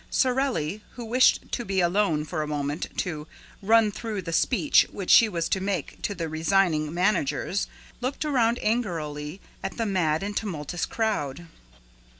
Sorelli, who wished to be alone for a moment to "run through" the speech which she was to make to the resigning managers, looked around angrily at the mad and tumultuous crowd.